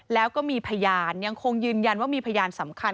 แล้วก็มีพยานยังคงยืนยันว่ามีพยานสำคัญ